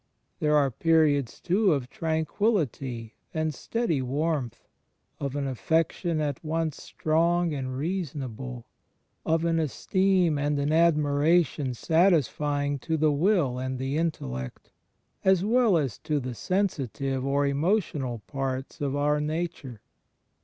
... There are periods too of tranquillity and steady warmth, of an affection at once strong and reasonable, of an esteem and an admiration satisfying to the will and the intellect, as well as to the sensitive or emotional parts of our nature.